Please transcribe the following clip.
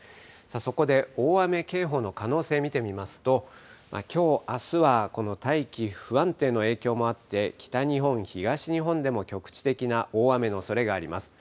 そこで大雨警報の可能性、見てみますと、きょう、あすは大気不安定の影響もあって、北日本、東日本でも、局地的な大雨のおそれがあります。